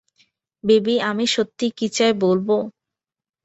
Baby, আমি সত্যিই কী চাই, বলবো?